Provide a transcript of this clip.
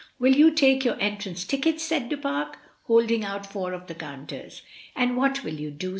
"Will you take your entrance tickets?" said Du Pare, holding out four of the counters. "And what will you do?"